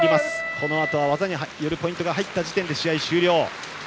このあとは技によるポイントが入った時点で試合終了です。